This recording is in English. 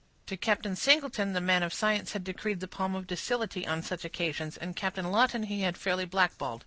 To Captain Singleton the man of science had decreed the palm of docility, on such occasions, and Captain Lawton he had fairly blackballed.